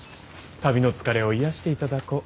旅の疲れを癒やしていただこう。